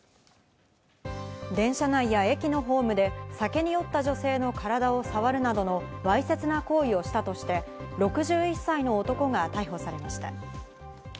電車内や駅のホームで、酒に酔った女性の体を触るなどのわいせつな行為をしたとして、６１歳の男が逮捕されました。